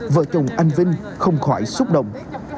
vợ chồng anh vinh không khỏi xúc động